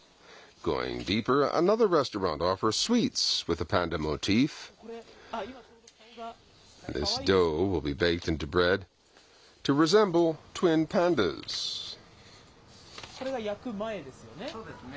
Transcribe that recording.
これが焼く前ですよね。